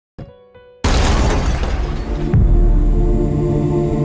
โปรดติดตามตอนต่อไป